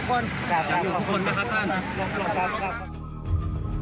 คนมาครับท่าน